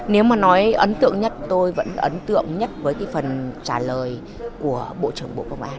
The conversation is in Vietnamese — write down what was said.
nếu mà nói ấn tượng nhất tôi vẫn ấn tượng nhất với cái phần trả lời của bộ trưởng bộ công an